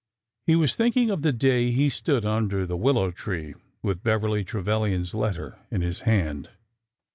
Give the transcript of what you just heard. He was thinking of the day he stood under the willow tree with Beverly Trevilian's letter in his hand.